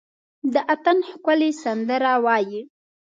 د اټن ښکلي سندره وايي،